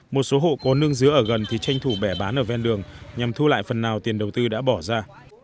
một số hộ có nương dứa ở gần thì tranh thủ bẻ bán ở ven đường nhằm thu lại phần nào tiền đầu tư đã bỏ ra